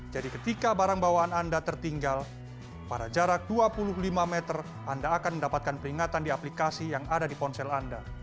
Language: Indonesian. jadi ketika barang bawaan anda tertinggal pada jarak dua puluh lima meter anda akan mendapatkan peringatan di aplikasi yang ada di ponsel anda